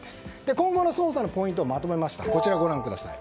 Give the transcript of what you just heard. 今後の捜査のポイントをまとめました。